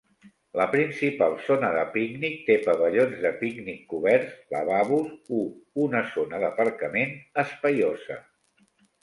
La principal zona de pícnic té pavellons de pícnic coberts, lavabos, u una zona d'aparcament espaiosa.